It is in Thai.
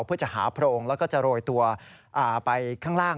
เพื่อจะหาโพรงแล้วก็จะโรยตัวไปข้างล่าง